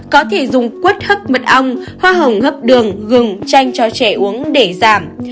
có thể dùng quất hấp mật ong hoa hồng hấp đường gừng tranh cho trẻ uống để giảm